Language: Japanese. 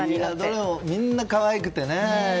どれも、みんな可愛くてね。